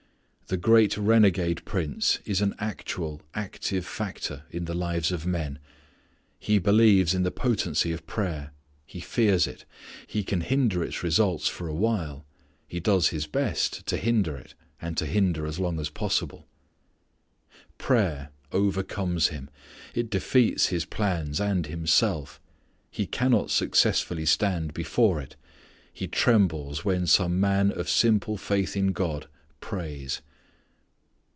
This great renegade prince is an actual active factor in the lives of men. He believes in the potency of prayer. He fears it. He can hinder its results for a while. He does his best to hinder it, and to hinder as long as possible. Prayer overcomes him. It defeats his plans and himself. He cannot successfully stand before it. He trembles when some man of simple faith in God prays.